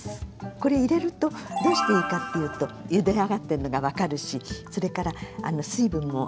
これ入れるとどうしていいかっていうとゆで上がってるのが分かるしそれから水分も行ったり来たりするし。